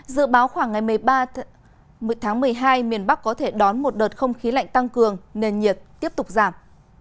dự báo khoảng ngày một mươi ba tháng một mươi hai miền bắc có thể đón một đợt không khí lạnh tăng cường nền nhiệt tiếp tục giảm